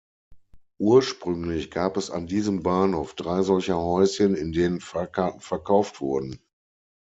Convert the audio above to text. Ursprünglich gab es an diesem Bahnhof drei solcher Häuschen, in denen Fahrkarten verkauft wurden.